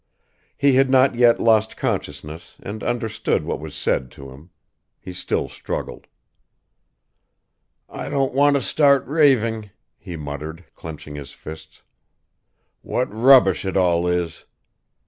He had not yet lost consciousness and understood what was said to him; he still struggled. "I don't want to start raving," he muttered, clenching his fists; "what rubbish it all is!"